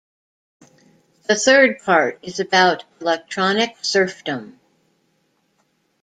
The third part is about 'electronic serfdom.